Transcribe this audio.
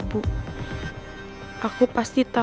topik ini pertama